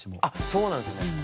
あっそうなんですね。